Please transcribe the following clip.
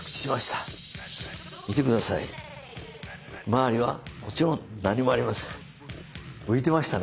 周りはもちろん何もありません。